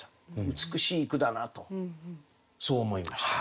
美しい句だなとそう思いましたね。